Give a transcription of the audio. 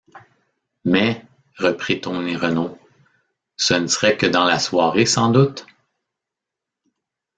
Mais, reprit Tony Renault, ce ne serait que dans la soirée sans doute?...